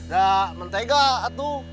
ya mentega aduh